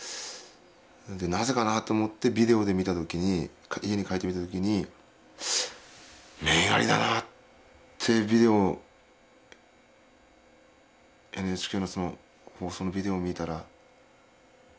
なぜかなと思ってビデオで見た時に家に帰って見た時に面ありだなってＮＨＫの放送のビデオを見たら自分も思ったんですよね。